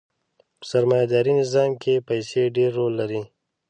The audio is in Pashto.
په سرمایه داري نظام کښې پیسې ډېر رول لري.